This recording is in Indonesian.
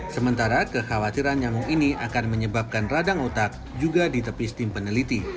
sementara kekhawatiran nyamuk ini akan menyebabkan radang otak juga ditepis tim peneliti